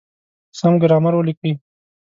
سم ګرامر وليکئ!.